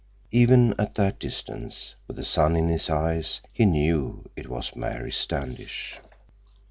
Even at that distance, with the sun in his eyes, he knew it was Mary Standish.